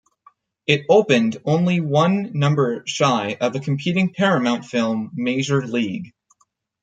It opened only one number shy of a competing Paramount film, "Major League".